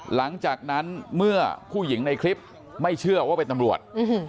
หลังจากนั้นเมื่อผู้หญิงในคลิปไม่เชื่อว่าเป็นตำรวจ